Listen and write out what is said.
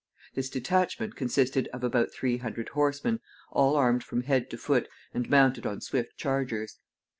This detachment consisted of about three hundred horsemen, all armed from head to foot, and mounted on swift chargers.